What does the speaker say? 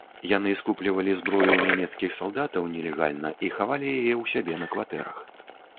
Яны скуплівалі зброю ў нямецкіх салдатаў, нелегальна, і хавалі яе ў сябе на кватэрах.